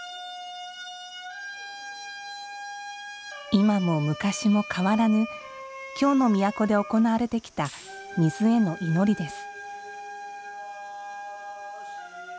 今も昔も変わらぬ京の都で行われてきた水への祈りです。